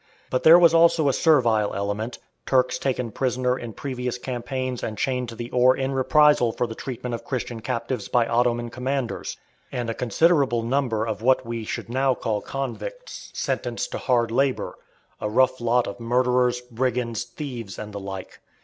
But there was also a servile element, Turks taken prisoner in previous campaigns and chained to the oar in reprisal for the treatment of Christian captives by Ottoman commanders, and a considerable number of what we should now call convicts sentenced to hard labour, a rough lot of murderers, brigands, thieves, and the like.